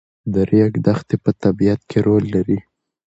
د ریګ دښتې په طبیعت کې رول لري.